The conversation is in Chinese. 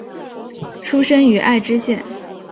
出身于爱知县。